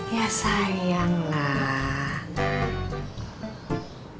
ya sayang lah